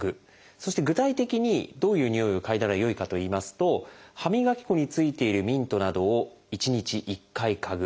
そして具体的にどういうにおいを嗅いだらよいかといいますと歯磨き粉についているミントなどを１日１回嗅ぐ。